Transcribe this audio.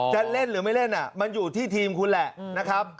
จะเล่นหรือไม่เล่นมันอยู่ที่ทีมคุณแหละนะครับ